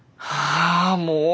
あもう！